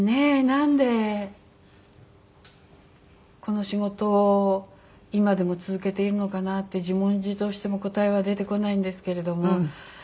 なんでこの仕事を今でも続けているのかなって自問自答しても答えは出てこないんですけれども。